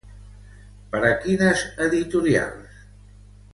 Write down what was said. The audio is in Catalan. Per a quines editorials?